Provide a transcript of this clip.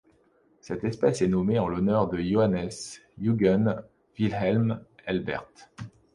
Cette espèce est nommée en l'honneur de Johannes Eugen Wilhelm Elbert.